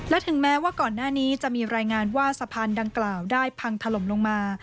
และถึงแม้ว่าก่อนหน้านี้จะมีรายงานว่าสะพานดังกล่าวได้พังถล่มลงมา